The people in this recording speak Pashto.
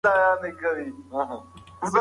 که ته لایق شې نو ټوله نړۍ به دې ستاینه وکړي.